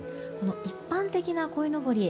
一般的なこいのぼり